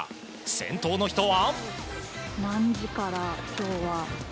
先頭の人は。